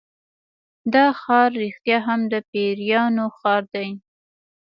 دا ښار رښتیا هم د پیریانو ښار دی.